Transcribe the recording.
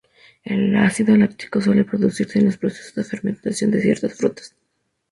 El ácido láctico suele producirse en los procesos de fermentación de ciertas frutas.